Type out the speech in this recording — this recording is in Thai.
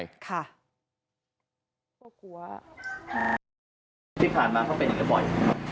ที่ผ่านมาเขาเป็นยังไงบ่อย